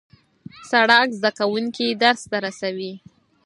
سړک زدهکوونکي درس ته رسوي.